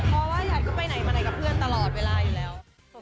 เพราะว่าอยากก็ไปไหนมาไหนกับเพื่อนตลอดเวลาอยู่แล้ว